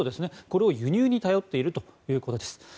これを輸入に頼っているということです。